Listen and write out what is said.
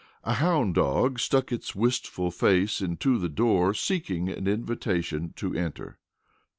A hound dog stuck his wistful face into the door, seeking an invitation to enter.